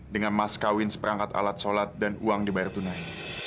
dengan mas kawin seperangkat alat sholat dan uang dibayar tunai